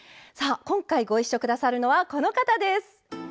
さあ今回ご一緒下さるのはこの方です！